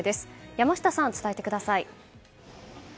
山下さん、伝えてください。